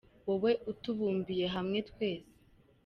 Wowe utubumbiye hamwe twese